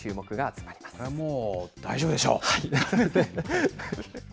これはもう大丈夫でしょう。